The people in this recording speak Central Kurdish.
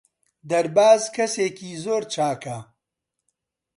دەرباز کەسێکی زۆر چاکە.